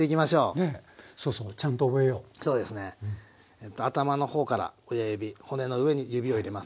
えと頭の方から親指骨の上に指を入れます。